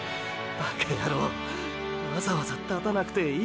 バカヤロウわざわざ立たなくていいよ。